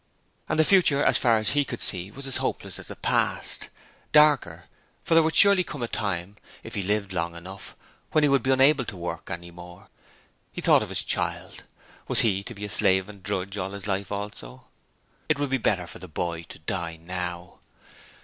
And the future, as far as he could see, was as hopeless as the past; darker, for there would surely come a time, if he lived long enough, when he would be unable to work any more. He thought of his child. Was he to be a slave and a drudge all his life also? It would be better for the boy to die now.